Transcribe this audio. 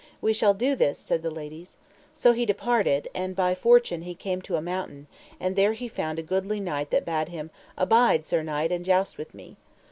We shall do this, said the ladies. So he departed, and by fortune he came to a mountain, and there he found a goodly knight that bade him, Abide sir knight, and joust with me.